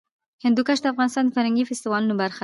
هندوکش د افغانستان د فرهنګي فستیوالونو برخه ده.